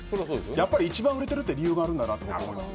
やっぱり一番売れてるって理由があるんだなと思います。